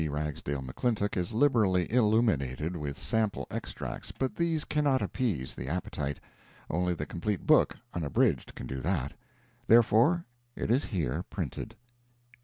Ragsdale McClintock is liberally illuminated with sample extracts, but these cannot appease the appetite. Only the complete book, unabridged, can do that. Therefore it is here printed.